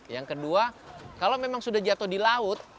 yang kedua kalau memang sudah jatuh di laut